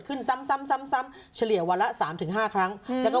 ซ้ำซ้ำซ้ำซ้ำเฉลี่ยวันละสามถึงห้าครั้งแล้วก็